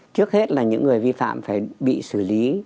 trước hết là những người vi phạm phải bị xử lý